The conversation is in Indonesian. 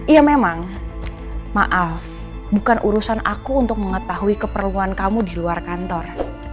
ya memang maaf bukan urusan aku untuk mengetahui keperluan kamu di luar kantor